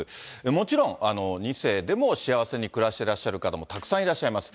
もちろん、２世でも幸せに暮らしてらっしゃる方もたくさんいらっしゃいます。